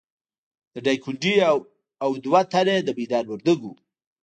د ډایکنډي او دوه تنه د میدان وردګو وو.